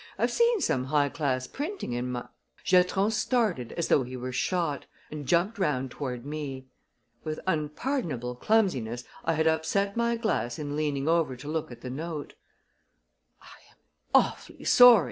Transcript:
I've seen some high class printing in my " Giatron started as though he were shot and jumped round toward me. With unpardonable clumsiness I had upset my glass in leaning over to look at the note. "I'm awfully sorry!"